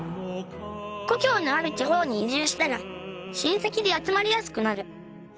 故郷のある地方に移住したら親戚で集まりやすくなる